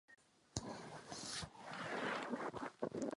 Veliký obléhal Prahu.